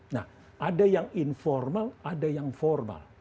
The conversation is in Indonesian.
nah ada yang informal ada yang formal